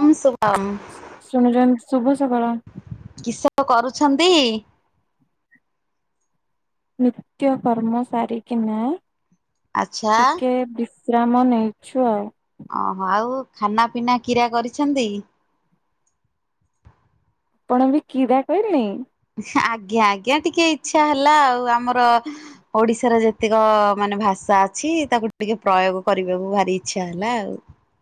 ଅମ୍ ଶୁଭମ୍ ଶୁଣୁଚନ୍ତି ଶୁଭ ସକାଳ। କିସ କରୁଛନ୍ତି? ନିତ୍ୟ କରର୍ମ ସାର କି ନା ଆଚ୍ଛା। ଟିକେ ବି ଶ୍ରାମ ନେଇଛୁ ଆଉ। ଓହୋ, ଆଉ ଖାନା ପିନା କିରା କରିଛନ୍ତି? ଆପଣ ବି କିରା କହିଲେ? ଆଜ୍ଞା, ଆଜ୍ଞା, ଟିକେ ଇଚ୍ଛା ହେଲା ଆଉ ଆମର ଓଡିଶାର ଯେତିକ ମାନେ ଭାଷା ଅଛି, ତାକୁ ଟିକେ ପ୍ରୟୋଗ କରିବାକୁ ଭାରି ଇଚ୍ଛା ହେଲା ଆଉ।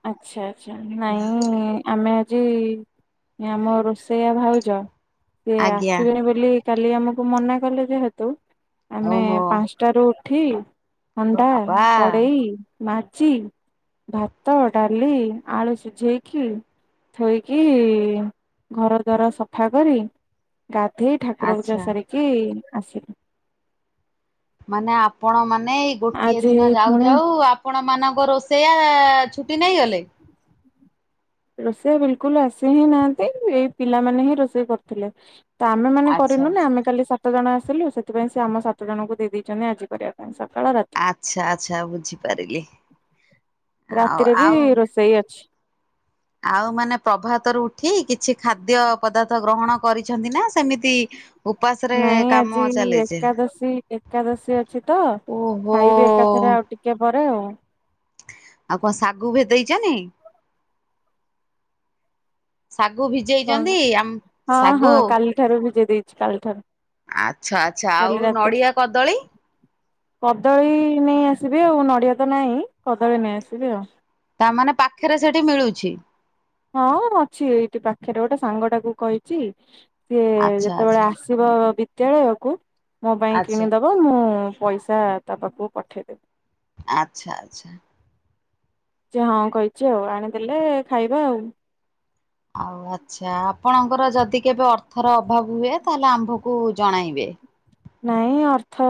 ଆଚ୍ଛା, ଆଚ୍ଛା, ନାଇଁ, ଆମେ ହୁଁ, ଆମ ରୋଷେଇଆ ଭାଉଜ ସିଏ ଆଜ୍ଞା ଆସିବେନ ବୋଲି କାଲି କାଲି ଆମକୁ ମନାକଲେ, ଯେହେତୁ ଆମେ ଓହୋ ପାଞ୍ଚଟ ରେ ଉଠି ହଣ୍ଡା ବାବା -କଡ଼େଇ, ମାଜି ଭାତ ଭାତ, ଡାଲି, ଆଳୁ ସିଝେଇକି ଥୋଇକି ଘର ଦ୍ୱାର ସଫା କରି ଗାଧେଇ ଠାକୁର ପୂଜା ଆଚ୍ଛା। ସାରିକି ଆସିଲି। ମାନେ, ଆପଣ ମାନେ ଏଇ ଗୋଟିଏ ଆଜି ଦିନ ଯାଉ ପୁଣି ଯାଉ ଆପଣମାନଙ୍କ ରୋଷେଇଆ ଛୁଟି ନେଇଗଲେ। ରୋଷେଇଆ ବିଲକୁଲ ଆସି ହିଁ ନାହାନ୍ତି, ଏଇ ପିଲାମାନେ ହିଁ ରୋଷେଇ କରୁଥିଲେ। ତ ଆମେ ମାନେ ଆଚ୍ଛା କରିନୁନା, ଆଚ୍ଛା। ଆମେ କାଲି ସାତ ଜଣ ଆସିଲୁ, ସେଥିପାଇଁ ସେ ଆମ ସାତ ଜଣଙ୍କୁ ଦେଇ ଦେଇେଛନ୍ତି ଆଜି କରିବା ପାଇଁ, ସକାଳ ରାତି। ଆଚ୍ଛା ଆଚ୍ଛା, ବୁଝିପାରିଲି। ଆଉ ରାତିରେ ବି ଆଉ ରୋଷେଇ ଅଛି। ଆଉ ମାନେ ପ୍ରଭାତରୁ ଉଠି କିଛି ଖାଦ୍ୟ ପଦାର୍ଥ ଗ୍ରହଣ କରିଛନ୍ତି ନା ସେମିତି ଉପାସରେ ନାଇଁ, କାମ ଆଜି ଚାଲିଛି ଏକାଦଶୀ ଏକାଦଶୀ ଅଛି ତ, ଓହୋ ଖାଇବି ଏକାଥରେ ଆଉ। ଟିକେ ପରେ। ଆଉ କଣ ଶାଗୁ ଭେଦେଇଛନି? ଶାଗୁ କଣ ଭିଜେଇଛନ୍ତି, ଆମ ହଁ ହଁ ଶାଗୁ। କାଲି ଠାରୁ ଭିଜେଇ ଦେଇଛି କାଲି ଠାରୁ। ଆଚ୍ଛା ଆଚ୍ଛା, କାଲି ଆଉ ରାତିରେ ନଡ଼ିଆ କଦଳୀ। କଦଳୀ ନେଇ ଆସିବି ଆଉ, ନଡିଆ ତ ନହିଁ, କଦଳୀ ନେଇ ଆସିବି ଆଉ। ତା ମାନେ ପାଖରେ ସେଠି ମିଳୁଛି। ହଁ, ଅଛି, ଏଇଠି ପାଖରେ ଗୋଟେ ସାଙ୍ଗଟାକୁ କହିଛି, ସିଏ ଆଚ୍ଛା ଯେତେବେଳେ ଆଚ୍ଛା ଆସି- ବ ବିଦ୍ୟାଳୟ କୁ ମୋ ପାଇଁ ଆଚ୍ଛା କିଣିଦବ। ମୁଁ ପଇସା ତା ପାଖକୁ ପଠେଇଦେବି। ଆଚ୍ଛା ଆଚ୍ଛା। ଯେ ହଁ କହିଛି ଆଉ, ଆଣିଦେଲେ ଖାଇବା ଆଉ। ଆଉ ଆଚ୍ଛା, ଆପଣଙ୍କର ଯଦି କେବେ ଅର୍ଥର ଅଭାବ ହୁଏ, ତାହେଲେ ଆମ୍ଭକୁ ଜଣାଇବେ। ନାଇଁ, ଅର୍ଥ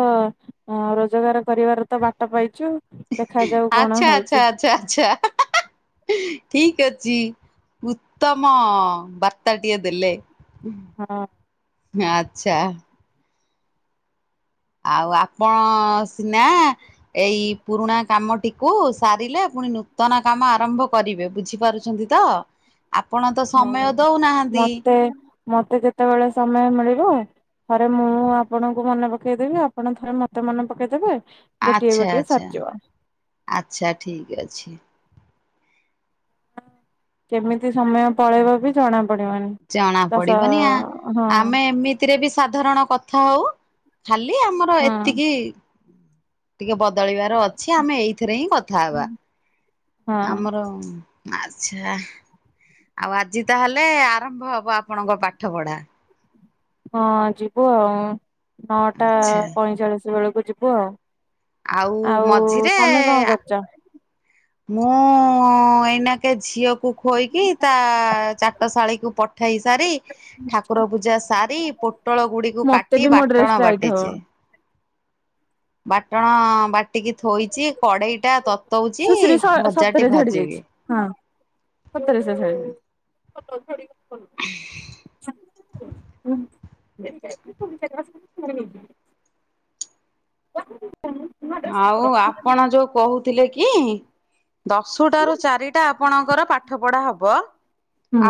ରୋଜଗାର କରିବାର ତ ବାଟ ପାଇଛୁ। ଦେଖାଯାଉ କଣ ଆଚ୍ଛା ହଉଛି ଆଚ୍ଛା ଆଚ୍ଛା [unintelligible] ଠିକ ଅଛି। ଉତ୍ତମ ବାର୍ତ୍ତାଟିିଏ ଦେଲେ। ହଁ। ଆଚ୍ଛା। ଆଉ ଆପଣ ସିନା ଏଇ ପୁରୁଣା କାମଟିକୁ ସାରିଲେ ପୁଣି ନୂତନ କାମ ଆରମ୍ଭ କରିବେ, ବୁଝିପାରୁ- ଅଛନ୍ତିତ? ଆପଣ ତ ହଉ। ସମୟ ଦଉନାହାନ୍ତି। ମତେ ମତେ ଯେତେବେଳେ ସମୟ ମିଳିବ। ଥରେ ମୁଁ ଆପଣଙ୍କୁ ମନେ ପକେଇଦେବି, ଆପଣ ଥରେ ମତେ ମନେ ପକେଇଦେବେ। ଗୋଟିଏ ଆଚ୍ଛା ଗୋଟିଏ ଆଚ୍ଛା ସରିିଯିବ। ଆଚ୍ଛା, ଠିକ୍ ଅଛି। କେମିତି ସମୟ ପଳେଇବ ବି ଜଣା ପଡିବନି ଜଣା ଦଶ ହଁ। ଏଥିରେ ବି ସାଧାରଣ କଥା ହଉ ଖାଲି ଆମର ଏତିକି ହଁ। ଟିକେ ବଦଳିବାର ଅଛି ଆମେ ଏଇଥିରେ ହିଁ କଥା ହେବା। ହଁ ଆମର ଆଚ୍ଛା ଆଉ ଆଜି ତାହେଲେ ଆରମ୍ଭ ହବ ଆପଣଙ୍କ ପାଠ ପଢା? ହଁ ଯିବୁ ଆଉ, ନଅଟା ଆଚ୍ଛା। ପଇଁଚାଳିଶ ବେଳକୁ ଯିବୁ ଆଉ। ଆଉ ମଝିରେ ତମେ କଣ କରୁଛ? ମୁଁ ଏଇନାକେ ଝିଅକୁ ଖୋଇକି ତା ଚାଟଶାଳୀକୁ ପ ଠେଇ ସାରି ଠାକୁର ପୂଜା ସାରି ପୋଟଳ ଗୁଡିକୁ ମତେ କାଟି ବି ମୋ ଡ୍ରେସ ବାଟଣ ଟାଇଟ୍ ହବ ବାଟିଛି ବାଟଣ ବାଟିକି ଥୋଇଛି କଡେଇ ଟା ତତଉଛି ସୁଶ୍ରୀ ଭଜାଟି ସତରେ ଝଡି ଯାଇଛି। ଭାଜିବି ହଁ। [unintelligible] [unintelligible] [inaudible] ଆଉ ଆପଣ ଯୋଉ କହୁଥିଲେ କି ଦଶଟା ରୁ ଚାରିଟା ଆପଣଙ୍କର ପାଠ ପଢା ହବ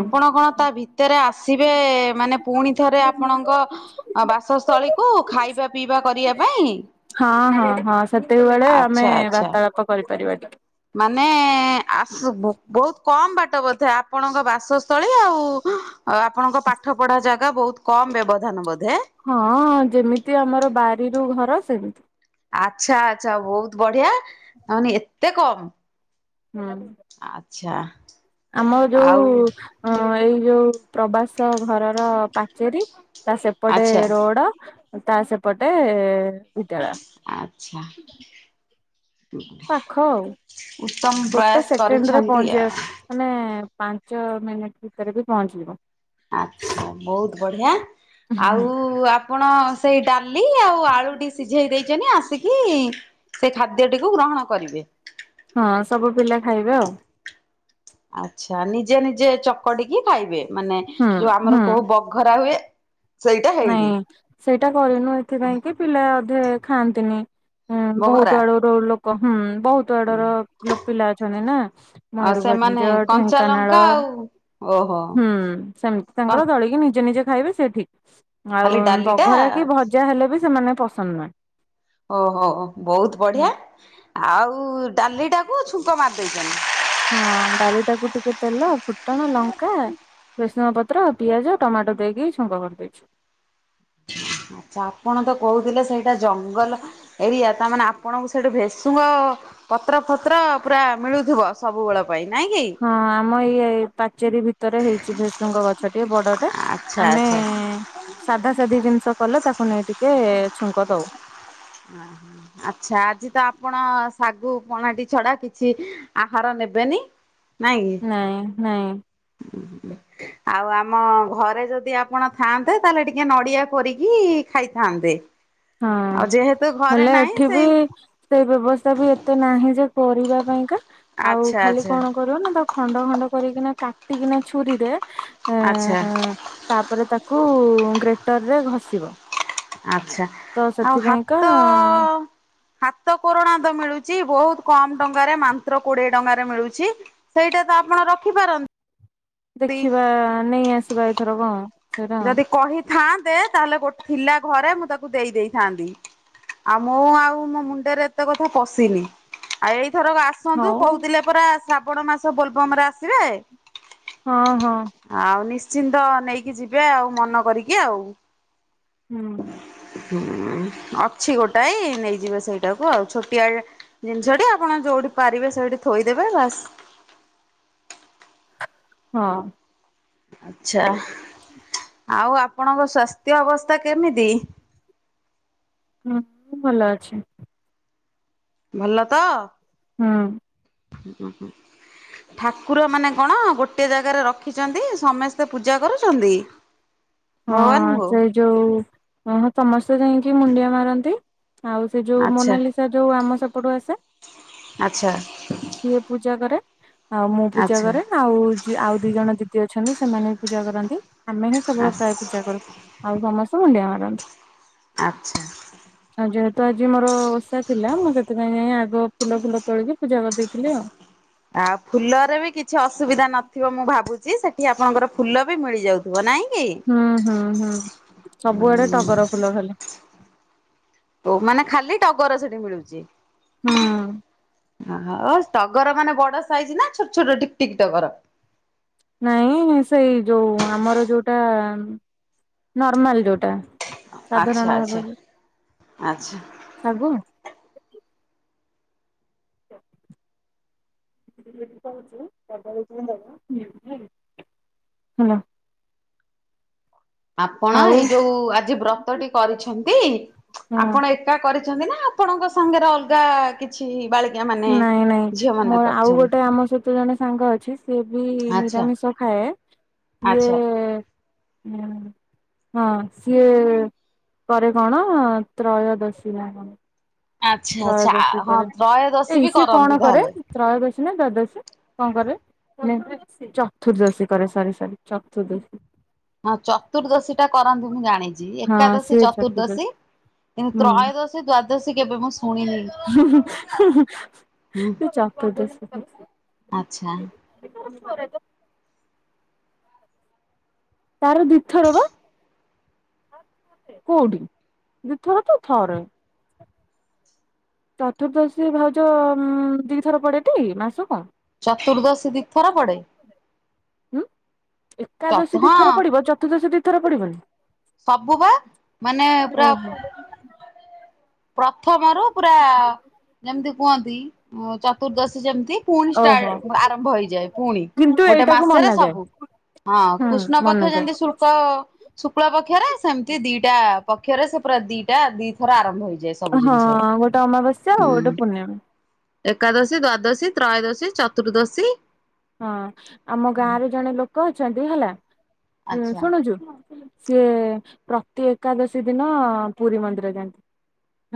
ଆପଣ କଣ ତା ଭିତରେ ଭିତରେ ଆସିବେ ମାନେ ପୁଣି ଥରେ ଆପଣଙ୍କ ହଁ ବାସସ୍ଥଳୀକୁ ଖାଇବା ପିଇବା କରିବା ପାଇଁ। ହଁ ହଁ ହଁ ସେତିକି ବେଳେ ଆମେ ଆଚ୍ଛା ଆଚ୍ଛା ବାର୍ତାଳାପ କରିପାରିବା ଟିକେ ମାନେ ଆସ ବହୁତ କମ୍ ବାଟ ବୋଧେ ଆପଣଙ୍କ ବାସସ୍ଥଳୀ ଆଉ। ଆପଣଙ୍କ ପାଠ ପଢା ଜାଗା ବହୁତ କମ୍ ବ୍ୟବଧାନ ବୋଧେ? ହଁ ହଁ ଯେମିତି ଆମର ବାରିରୁ ଘର ସେମିତି। ଆଚ୍ଛା ଆଚ୍ଛା ବହୁତ ବଢିଆ ତାମାନେ ଏତେ କମ୍। ହୁଁ। ଆଚ୍ଛା। ଆମର ଯୋଉ ଆଉ ହଁ ଏଇ ଯୋଉ ପ୍ରବାସ ଘରର ପାଚେରୀ ତା ସେ ପଟେ ଆଚ୍ଛା ରୋଡ ତା ସେପଟେ ବିଦ୍ୟାଳୟ। ଆଚ୍ଛା। ପାଖ ଆଉ ଉତ୍ତମ ଗୋଟେ ପ୍ରୟାସ ସେକେଣ୍ଡ ରେ କରିଛନ୍ତି ପହଞ୍ଚିବା ଆଉ ମାନେ ପାଞ୍ଚ ମିନିଟ୍ ଭିତରେ ବି ପହଞ୍ଚିବ। ଆଚ୍ଛା ବହୁତ ବଢିଆ ଆଉ। ଆପଣ ସେଇ ଡାଲି ଆଉ ଆଳୁଟି ସିଝେଇ ଦେଇଛନ୍ତିଛନ୍ତି ଆସିକି ସେ ଖାଦ୍ୟଟିକୁ ଗ୍ରହଣ କରିବେ। ହଁ ସବୁ ପିଲା ଖାଇବେ ଆଉ। ଆଚ୍ଛା ନିଜେ ନିଜେ ଚକଡିକି ଖାଇବେ ମାନେ ହୁଁ ଯୋଉ ହୁଁ ଆମର କହୁ ବଘରା ହୁଏ। ସେଇଟା ନାଇଁ ହେଇନି। ସେଇଟା କରିନୁ ଏଥିପାଇଁ କି ପିଲା ଅଧେ ଖାଆନ୍ତିନି ବଘରା। ବହୁତ ଆଡୁ ର ଲୋକ ହୁଁ ବହୁତ ସବୁ ଆଡର ପିଲା ଅଛନ୍ତି ନା ଆଉ ସେମାନେ ମୟୁରୁଭଞ୍ଜ କଞ୍ଚା ଢେଙ୍କାନାଳ। ଲଙ୍କା ଆଉ ଓହୋ। ହୁଁ ସେମିତି କଣ ତାଙ୍କର ଦଳିକି ନିଜେ ନିଜେ ଖାଇବେ ସେ ଠିକ୍। ଆଉ ଖାଲି ଡାଲିଟା ବଘରା କି ଭଜା ହେଲେ ବି ସେମାନେ ପସନ୍ଦ ନାହିଁ। ଓହୋ ବହୁତ ହୁଁ। ବଢିଆ ଆଉ ଡାଲି ଟାକୁ ଛୁଙ୍କ ମାରି ଦେଇଛନ୍ତି। ହଁ ଡାଲି ଟାକୁ ଟିକେ ତେଲ ଫୁଟଣ ଲଙ୍କା ଭେଶୁଆଁ ପତ୍ର ପିଆଜ ଟମାଟ ଦେଇ କି ଛୁଙ୍କ କରିଦେଇଚି। ଆଚ୍ଛା ଆପଣ ତ କହୁଥିଲେ ସେଇଟା ଜଙ୍ଗଲ ଏରିଆ ତାମାନେେ ଆପଣଙ୍କୁ ସେଇଠୁ ଭେଷୁଙ୍ଗ ପତ୍ର ଫତ୍ର ପୁରା ମିଳୁଥିବ ସବୁବେଳ ପାଇଁ ନାଇଁ କି। ହଁ ଆମ ଏଇ ପାଚେରୀ ଭିତରେ ହେଇଛି ଭେଷୁଙ୍ଗ ଗଛଟେ ବଡ଼ ଟେ। ଆଚ୍ଛା ଆମେ ଆଚ୍ଛା। ସାଧା ସାଧୀ ଜିନିଷ କଲେ ତାକୁ ନେଇ ଟିକେ ଛୁଙ୍କ ଦେଉ। ଆ ହୁଁ। ଆଚ୍ଛା ଆଜି ତ ଆପଣ ଶାଗୁ ପଣାଟି ଛଡା କିଛି ଆହାର ନେବେନି। ନାଇଁ କି। ନାଇଁ ନାଇଁ। [unintelligible] ଆଉ ଆମ ଘରେ ଯଦି ଆପଣ ଥାଆନ୍ତେ ତାହେଲେ ଟିକେ ନଡିଆ କୋରିକି ଖାଇଥାନ୍ତେ। ହଁ ଆଉ ଯେହେତୁ ଘରେ ହେଲେ ନାହିଁ ଏଠି ବି ସେଇ ସେଇ ବ୍ୟବସ୍ଥା ବି ଏତେ ନାହିଁ ଯେ ପରିବା ପାଇଁକା ଆଉ ଆଚ୍ଛା ଖାଲି ଆଚ୍ଛା କଣ କର ନା ତ ଖଣ୍ଡ ଖଣ୍ଡ କରିକିନା କାଟିକିନା ଛୁରୀରେ ଏ ଆଚ୍ଛା। ତାପରେ ତାକୁ ଗ୍ରେଟରରେ ଘଷିବ। ଆଛା ତ ଆଉ ସେଥିପାଇଁକା ହାତ ଅ ଅ ହାତ କୋରଣା ତ ମିଳୁଛି ବହୁତ କମ ଟଙ୍କାରେ ମାନ୍ତ୍ର କୋଡିଏ ଟଙ୍କାରେ ମିଳୁଛି। ସେଇଟା ତ ଆପଣ ରଖିପାର ଦେଖିବା ନେଇ ଆସିବା ଏଥର କ। ଯଦି କହିଥାନ୍ତେ ତାହେଲେ ଗୋଟେ ଥିଲା ଘରେ ମୁଁ ତାକୁ ଦେଇ ଦେଇଥାନ୍ତି। ଆଉ ମୁଁ ଆଉ ମୋ ମୁଣ୍ଡରେ ଏତେ କଥା ପଶିନି ଆଉ ଏଇଥର ଆ ଆସନ୍ତୁ ହଉ କହୁଥିଲେ ପରା ଶ୍ରାବଣ ମାସ ବୋଲବମ ରେ ଆସିବେ। ହଁ ହଁ। ଆଉ ନିଶ୍ଚିନ୍ତ ନେଇକି ଯିବେ ଆଉ ମନ କରିକି ଆଉ। ହୁଁ। ହୁଁ ଅଛି ଗୋଟାଏ ନେଇଯିବେ ସେଇଟାକୁ ଆଉ ଛୋଟିଆ ଜିନିଷଟି ଆପଣ ଯୋଉଠି ପାରିବେ ସେଇଠି ଥୋଇଦେବେ ବାସ। ହଁ। ଆଛା ଆଉ ଆପଣଙ୍କ ସ୍ୱାସ୍ଥ୍ୟ ଅବସ୍ଥା କେମିତି? ହଁ ମୁ ଭଲ ଅଛି। ଭଲ ତ। ହଁ। ହଁ ହଁ। ଠାକୁର ମାନେ କଣ ଗୋଟେ ଜାଗାରେ ରଖିଛନ୍ତି ସମସ୍ତେ ପୂଜା କରୁଛନ୍ତି? [inaudible] ହଁ ଭଗବାନଙ୍କୁ ସେଇ ଯୋଉହଁ ହଁ ସମସ୍ତେ ଯାଇକି ମୁଣ୍ଡିଆ ମାରନ୍ତି ଆଉ ସେ ଯୋଉ ଆଚ୍ଛା ମୋନାଲିସା ଯୋଉ ଆମ ସେପଟୁ ଆସେ ଆଚ୍ଛା ସିଏ ପୂଜା କରେ। ଆଉ ମୁଁ ପୂଜା ଆଚ୍ଛା କରେ ଆଉ ଆଉ ଦି ଜଣ ଦିଦି ଅଛନ୍ତି ସେମାନେ ବି ପୂଜା କରନ୍ତି। ଆମେ ହିଁ କେବଳ ପ୍ରାୟ ପୂଜା କରୁ ଆଉ ସମସ୍ତେ ମୁଣ୍ଡିଆ ମାରନ୍ତି। ଆଚ୍ଛା। ହଁ ଯେହେତୁ ଆଜି ମୋର ଓଷା ଥିଲା ମୁଁ ସେଥିପାଇଁ ଯାଇ ଆଗ ଫୁଲ ଫୁଲ ତୋଳିକି ପୂଜା କରିଦେଇଛି। [inaudible] ଆଉ ଫୁଲରେ ବି କିଛି ଅସୁବିଧା ନଥିବ ମୁଁ ଭାବୁଛି ସେଠି ଆପଣଙ୍କର ଫୁଲ ବି ମିଳିଯାଉଛି। ପୁଅ ନାହିଁ କି? ହୁଁ ହୁଁ ଭଲହେଲା। ହୁ ମାନେ ଖାଲି ଟଗର ସେଠି ମିଳୁଛି ହୁଁ। ଓ଼ହେ। ଟଗରମାନେ ବଡ ସାଇଜ୍ ନା ଛୋଟ ଛୋଟ ଟିକ୍ ଟିକ୍ ଟଗର? ନାଇଁ ସେଇ ଯୋଉ ଆମର ଯୋଉଟା ନର୍ମାଲ୍ ଯୋଉଟା। ସାଧାରଣ ଆଚ୍ଛା ଆଚ୍ଛା- ଆଚ୍ଛା। ସବୁ। [unintelligible] କହୁଛି ହାଲୋ। ଆପଣ ଆଉ ଏ ଯୋଉ ଆଜି ବ୍ରତଟି କରିଛନ୍ତି, ହଁ ଆପଣ ଏ ଏକା କରିଛନ୍ତି ନା ଆପଣଙ୍କ ସାଙ୍ଗରେ ଅଲଗା କିଛ୍ ଛି ବାଳିକା ମାନେ ନାଇଁ ନାଇଁ। ଝିଅ ମାନେ ମୋର ଆଉ କରିଛନ୍ତି ଗୋଟେ ଆମ ସହିତ ଜଣେ ସାଙ୍ଗ ଅଛି, ସେ ବି ଆଚ୍ଛା ନିରାମିଷ ଖାଏ ଆଚ୍ଛା। ସିଏ ହଁ ସିଏ କରେ କଣ ତ୍ରୟୋଦଶୀ ନା? ଆଚ୍ଛା ଆଚ୍ଛା ତ୍ରୟୋଦଶୀ ହଁ କରେ। ତ୍ରୟୋଦଶୀ ଏଇ ବି ସିଏ କଣ କରନ୍ତି କରେ ତାହେଲେ। ତ୍ରୟୋଦଶୀ ନା ଦ୍ଵାଦଶୀ କଣ କରେ? ଚତୁର୍ଦଶୀ କରେ ସରି ସରି ଚତୁର୍ଦଶୀ। ହଁ ଚତୁର୍ଦ୍ଦଶୀ ଟା କରନ୍ତି ମୁଁ ଜାଣିଚି ହଁ ଏକାଦଶୀ ସିଏ ଚତୁର୍ଦ୍ଦଶୀ କିନ୍ତୁ ହୁଁ ତ୍ରୟୋଦଶୀ ଦ୍ଵାଦଶୀ କେବେ ମୁଁ ଶୁଣିନି। [unintelligible] ହୁଁ ଚତୁଦ୍ଧଶି ଆଚ୍ଛା। [inaudible] ତାର ଦି ଥର ବା। କୋଉଠି ଦି ଥର ତ ଥରେ। ଚତୁର୍ଦ୍ଦଶୀ ଭାଉଜ ଦିଥର ପଡେଟି ମାସକୁ? ଚତୁର୍ଦ୍ଦଶୀ ଦି ଥର ପଡେ। ହୁଁ ଚତୁ ଏକାଦଶୀ ଦି ଥର ହଁ ପଡିବ ଚତୁର୍ଦ୍ଦଶୀ ଦି ଥର ପଡିବନି। ସବୁ ବା ମାନେ ପୁରା ଓହୋ ପ୍ରଥମ ରୁ ପୁରା ଯେମିତି କୁହନ୍ତି ଚତୁର୍ଦ୍ଦଶୀ ଯେମିତି ପୁଣି ଓହୋ ଷ୍ଟାର୍ଟ ଆରମ୍ଭ ହେଇଯାଏ ପୁଣି କିନ୍ତୁ ଗୋଟେ ଏଇଟାକୁ ମାସରେ ମନାଯାଏ ସବୁ। ହଁ ହୁଁ କୃଷ୍ଣ ପକ୍ଷ ମନାଯାଏ ଯେମିତି ଶୁଳ୍କ ଶୁକ୍ଳ ପକ୍ଷରେ ସେମିତି ଦିଟା ପକ୍ଷରେ ସେ ପୁରା ଦିଟା ଦି ଥର ଆରମ୍ଭ ହୋଇ ହଁ ଗୋଟେ ଅମାବାସ୍ୟା ଆଉ ଗୋଟେ ପୂର୍ଣ୍ଣିମା। ଏକାଦଶୀ ଦ୍ଵାଦଶୀ ତ୍ରୟୋଦଶୀ ଚତୁର୍ଦ୍ଦଶୀ। ହଁ ଆମ ଗାଁରେ ଜଣେ ଲୋକ ଅଛନ୍ତି ହେଲା। ଆଚ୍ଛା ଶୁଣୁଚୁ ସେ ପ୍ରତି ଏକାଦଶୀ ଦିନ ପୁରୀ ମନ୍ଦିର ଯାଆନ୍ତି।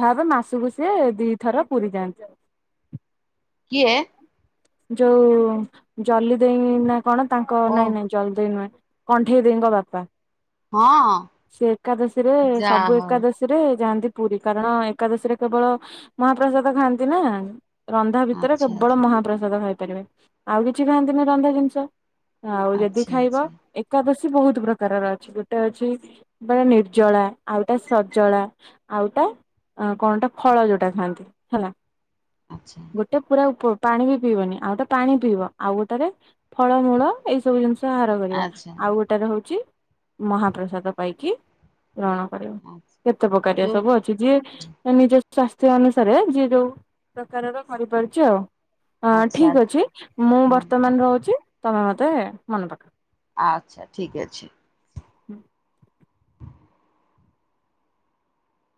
ଭାବ୍ ମାସୁକୁ ସିଏ ଦିଥର ପୁରୀ ଯାଆନ୍ତି। କିଏ? ଯୋଉ ଜଲି ଦେଇ ନା କଣ ତାଙ୍କ ଓ ନାଇଁ ନାଇଁ ଜଲି ଦେଇ ନାଇଁ କଣ୍ଢେଇ ଦେଇ ଙ୍କ ବାପା। ହଁ ସେ ଏକାଦଶୀ ରେ ଯାହା ସବୁ ହଉ ଏକାଦଶୀ ସେଥିରେ ଯାଆନ୍ତି ପୁରୀ କାରଣ ଏକାଦଶୀରେ କେବଳ ମହାପ୍ରସାଦ ଖାଆନ୍ତି ନା। ରନ୍ଧା ଭିତରେ ଆଚ୍ଛା କେବଳ ମହାପ୍ରସାଦ ଖାଇପାରିବେ, ଆଉ କିଛି ଖାଆନ୍ତିନି ରନ୍ଧା ଜିନିଷ। ଆଉ ଆଚ୍ଛା ଯଦି ଆଚ୍ଛା ଖାଇବ ଆଚ୍ଛା ଏକାଦଶୀ ବହୁତ ପ୍ରକାରର ଅଛି, ଗୋଟେ ଅଛି ବଟେ ନିର୍ଜଳା, ଆଉଟା ସଜଳା, ଆଉଟା ଆଉ କଣଟା ଫଳ ଯଉଟା ଖାଆନ୍ତି, ହେଲା। ଆଚ୍ଛା। ସେ ପୁରା ଫୁ - ପାଣି ବି ପିଇବନି ଆଉ ଗୋଟେ ପାଣି ପିଇବ ଆଉ ଗୋଟାରେ ଫଳମୂଳ ଏଇ ସବୁ ଜିନିଷ। ସେ ହାର କରିବ, ଆଚ୍ଛା। ଆଉ ଗୋଟାର ହଉଛି ମହାପ୍ରସାଦ ପାଇକି ରଣ କରିବ, ଆଚ୍ଛା କେତେ ପ୍ରକାରିଆ ଯୋଉ ସବୁ ଅ ଯିଏ ନିଜ ସ୍ୱାସ୍ଥ୍ୟ ଅନୁସାରେ ଯିଏ ଯଉ - ପ୍ରକାରର କରିପାରୁଛି ଆଉ। ହଁ ଆଚ୍ଛା ଠିକ ଅଛି, ମୁଁ ହୁଁ ବର୍ତ୍ତମାନ ରହୁଛି ତମେ ମତେ ମନେ ପକା। ଆଚ୍ଛା, ଠିକ୍ ଅଛି।